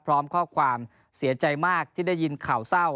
พร้อมข้อความเสียใจมากที่ได้ยินข่าวเศร้า